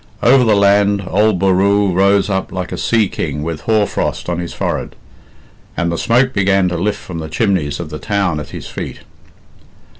Over the land old Bar rule rose up like a sea king with hoar frost on his forehead, and the smoke began to lift from the chimneys of the town at his feet.